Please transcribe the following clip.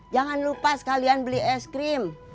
jangan lupa sekalian beli es krim